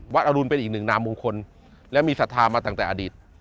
อรุณเป็นอีกหนึ่งนามมงคลและมีศรัทธามาตั้งแต่อดีต